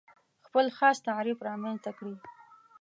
خپل خاص تعریف رامنځته کړي.